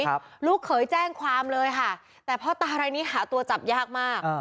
ครับลูกเขยแจ้งความเลยค่ะแต่พ่อตาอะไรนี้หาตัวจับยากมาก